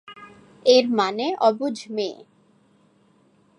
এর মানে অবুঝ মেয়ে।